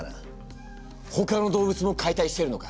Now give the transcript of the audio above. ほかの動物も解体してるのか？